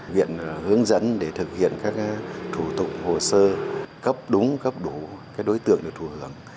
viện hướng dẫn để thực hiện các thủ tục hồ sơ cấp đúng cấp đủ đối tượng được thù hưởng